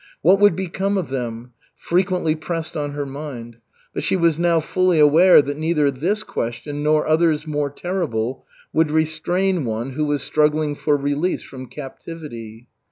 What would become of them? frequently pressed on her mind; but she was now fully aware that neither this question nor others more terrible would restrain one who was struggling for release from captivity.